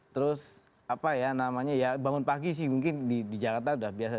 terus apa ya namanya ya bangun pagi sih mungkin di jakarta udah biasa